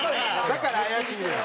だから怪しいのよ。